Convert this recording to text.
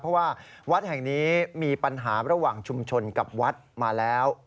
เพราะว่าวัดแห่งนี้มีปัญหาระหว่างชุมชนกับวัดมาแล้ว